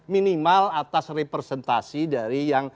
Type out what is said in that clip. minimal atas representasi dari yang